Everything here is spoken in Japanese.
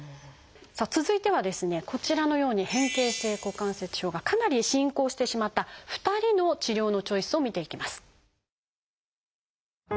さあ続いてはですねこちらのように変形性股関節症がかなり進行してしまった２人の治療のチョイスを見ていきます。